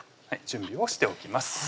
準備をしておきます